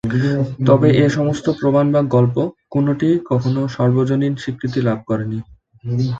তবে এসমস্ত প্রমাণ বা গল্প- কোনটিই কখনো সর্বজনীন স্বীকৃতি লাভ করে নি।